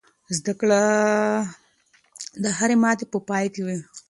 زده کړه د هرې ماتې په پای کې وي.